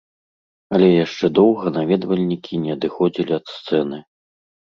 Але яшчэ доўга наведвальнікі не адыходзілі ад сцэны.